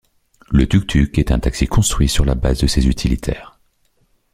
Le tuk-tuk est un taxi construit sur la base de ces utilitaires.